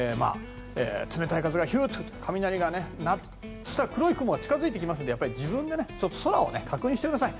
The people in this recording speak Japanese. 冷たい風が吹いて雷が鳴る時は黒い雲が近づいてきますので自分で空を確認してください。